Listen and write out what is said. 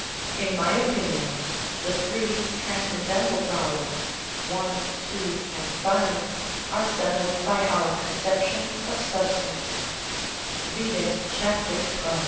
In my opinion, the three transcendental problems (i, 2, and 5) are settled by our conception of substance (vide chap, xii.)